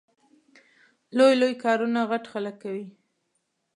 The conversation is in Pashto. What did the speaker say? لوی لوی کارونه غټ خلګ کوي